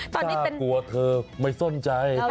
ถ้ากลัวเธอไม่สนใจ